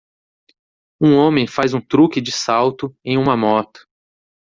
Um homem faz um truque de salto em uma moto